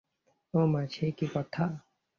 ওমা, সে কী কথা!